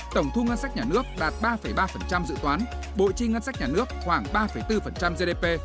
tổng thu ngân sách nhà nước đạt ba ba dự toán bộ chi ngân sách nhà nước khoảng ba bốn gdp